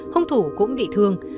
hông thủ cũng bị thương